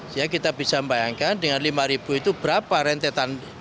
jadi kita bisa membayangkan dengan lima itu berapa rentetan